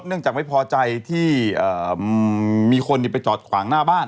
จากไม่พอใจที่มีคนไปจอดขวางหน้าบ้าน